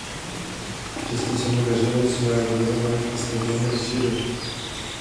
Přesto se mu dařilo své rodové majetky stabilně rozšiřovat.